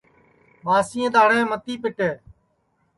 ٻاسئیں دؔاڑھیں متی پیٹے